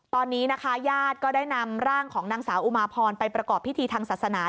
ตอนนี้นะคะญาติก็ได้นำร่างของนางสาวอุมาพรไปประกอบพิธีทางศาสนา